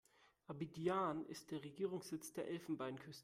Abidjan ist der Regierungssitz der Elfenbeinküste.